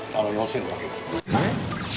えっ！？